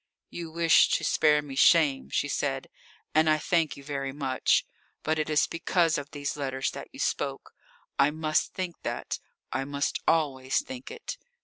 "You wish to spare me shame," she said, "and I thank you very much. But it is because of these letters that you spoke. I must think that. I must always think it."